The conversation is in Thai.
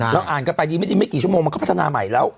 อ่านกันไปดีไม่ดีไม่กี่ชั่วโมงมันก็พัฒนาใหม่แล้ว